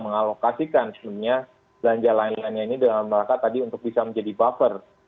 mengalokasikan sebenarnya belanja lain lainnya ini dalam rangka tadi untuk bisa menjadi buffer